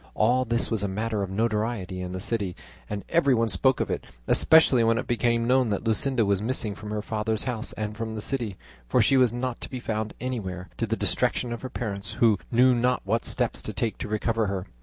All this was a matter of notoriety in the city, and everyone spoke of it; especially when it became known that Luscinda was missing from her father's house and from the city, for she was not to be found anywhere, to the distraction of her parents, who knew not what steps to take to recover her.